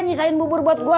nyisain bubur buat gua